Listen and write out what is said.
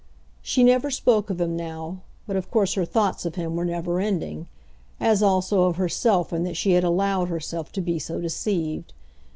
She never spoke of him now, but of course her thoughts of him were never ending, as also of herself in that she had allowed herself to be so deceived.